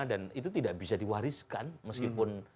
dan itu tidak bisa diwariskan meskipun